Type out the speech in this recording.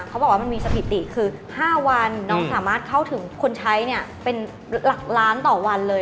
เขาบอกว่ามันมีสถิติคือ๕วันน้องสามารถเข้าถึงคนใช้เนี่ยเป็นหลักล้านต่อวันเลย